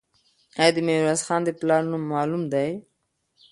آیا د میرویس خان د پلار نوم معلوم دی؟